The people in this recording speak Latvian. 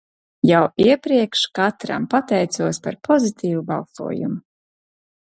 Jau iepriekš katram pateicos par pozitīvu balsojumu!